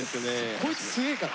こいつ強えから！